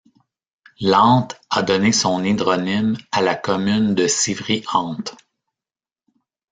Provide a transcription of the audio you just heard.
L'Ante a donné son hydronyme à la commune de Sivry-Ante.